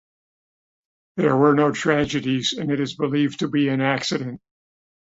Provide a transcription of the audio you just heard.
There were no tragedies and it is believed to be an accident.